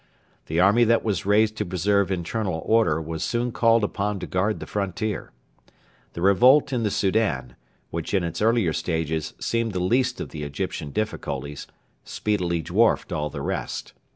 The army that was raised to preserve internal order was soon called upon to guard the frontier. The revolt in the Soudan, which in its earlier stages seemed the least of the Egyptian difficulties, speedily dwarfed all the rest.